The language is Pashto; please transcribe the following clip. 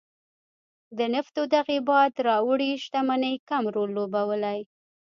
د نفتو دغې باد راوړې شتمنۍ کم رول لوبولی.